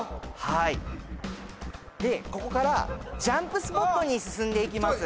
はいでここからジャンプスポットに進んでいきます